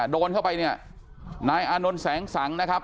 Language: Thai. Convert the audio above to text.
โดนเข้าไปเนี่ยนายอานนท์แสงสังนะครับ